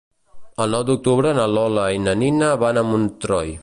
El nou d'octubre na Lola i na Nina van a Montroi.